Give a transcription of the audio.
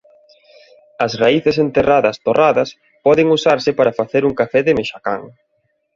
As raíces enterradas torradas poden usarse para facer un café de mexacán.